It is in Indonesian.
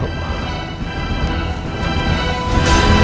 mereka ada masalah apa